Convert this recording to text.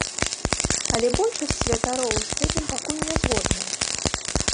Але большасць святароў з гэтым пакуль не згодная.